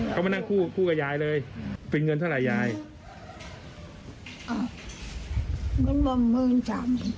ก็ไม่นั่งคู่กับยายเลยฟินเงินเท่าไหร่ยายอ่าประมาณหมึนสาม